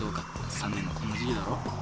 ３年のこんな時期だろ。